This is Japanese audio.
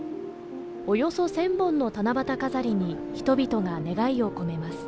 およそ１０００本の七夕飾りに人々が願いを込めます。